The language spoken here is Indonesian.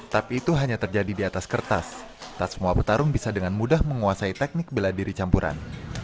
tapi itu hanya terjadi di atas kertas tak semua petarung bisa dengan mudah menguasai teknik bela diri campuran